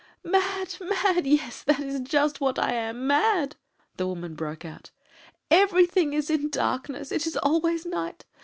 "Mad! mad! Yes! that is just what I am mad!" the woman broke out. "Everything is in darkness. It is always night!